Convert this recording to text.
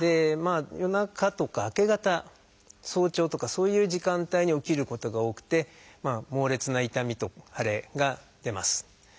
夜中とか明け方早朝とかそういう時間帯に起きることが多くて猛烈な痛みと腫れが出ます。